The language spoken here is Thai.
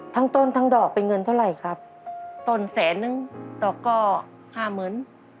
ต้นทั้งดอกเป็นเงินเท่าไหร่ครับต้นแสนนึงดอกก็ห้าหมื่น